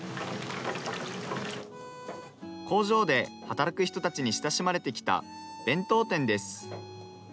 工場で働く人たちに親しまれてきた弁当店です。